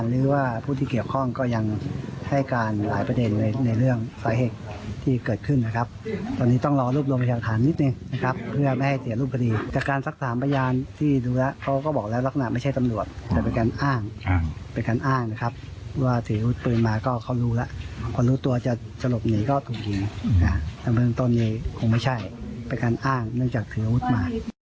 รู้ตัวจะหลบหนีก็ถูกดีแต่เมื่อตอนนี้คงไม่ใช่เป็นการอ้างเนื่องจากถืออาวุธมา